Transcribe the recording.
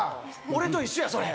俺と一緒やそれ。